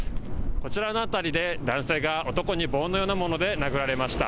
こちらの辺りで男性が男に棒のようなもので殴られました。